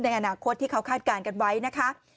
ในอนาคตที่เขาคาดการณ์กันไว้นะคะ